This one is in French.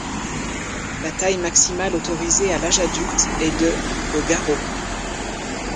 La taille maximale autorisée à l'âge adulte est de au garrot.